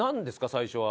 最初は。